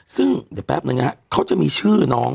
ซึ่งเดี๋ยวแป๊บนึงนะฮะเขาจะมีชื่อน้อง